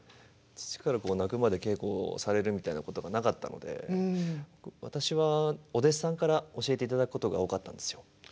父からこう泣くまで稽古をされるみたいなことがなかったので私はお弟子さんから教えていただくことが多かったんですよ。